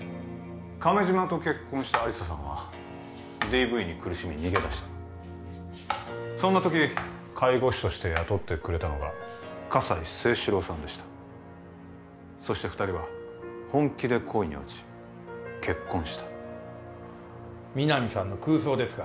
亀島と結婚した亜理紗さんはＤＶに苦しみ逃げ出したそんな時介護士として雇ってくれたのが葛西征四郎さんでしたそして二人は本気で恋に落ち結婚した皆実さんの空想ですか？